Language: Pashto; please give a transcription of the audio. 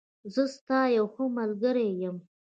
زه ستا یوښه ملګری یم.